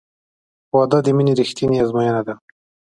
• واده د مینې رښتینی ازموینه ده.